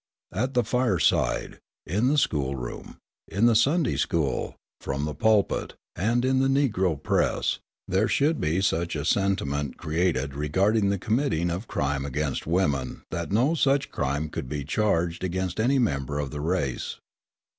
At the fireside, in the school room, in the Sunday school, from the pulpit, and in the Negro press, there should be such a sentiment created regarding the committing of crime against women that no such crime could be charged against any member of the race.